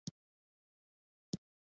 ولسمشرزیلینسکي